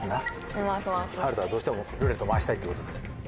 春太どうしてもルーレット回したいっていうことで。